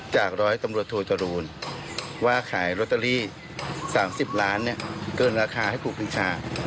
จากร้อยตำรวจโทจรูลว่าขายลอตเตอรี่๓๐ล้านเกินราคาให้ครูปีชา